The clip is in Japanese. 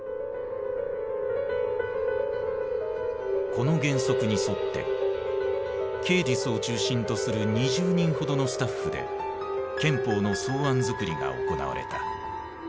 この原則に沿ってケーディスを中心とする２０人ほどのスタッフで憲法の草案づくりが行われた。